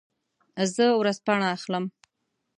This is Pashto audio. زه ورځپاڼه اخلم.